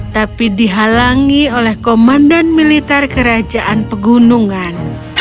tapi dihalangi oleh komandan militer kerajaan pegunungan